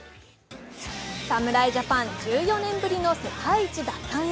侍ジャパン、１４年ぶりの世界一奪還へ。